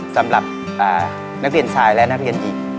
สำหรับนักเรียนชายและนักเรียนหญิง